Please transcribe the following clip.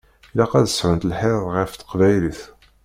Ilaq ad sɛunt lḥir ɣef teqbaylit.